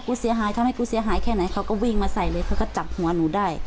เสียหายทำให้กูเสียหายแค่ไหนเขาก็วิ่งมาใส่เลยเขาก็จับหัวหนูได้